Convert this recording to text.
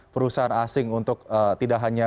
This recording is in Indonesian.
perusahaan asing untuk tidak hanya